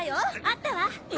あったわ！